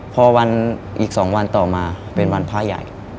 พอวันอีก๒วันต่อมาเป็นวันพระใหญ่